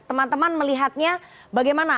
teman teman melihatnya bagaimana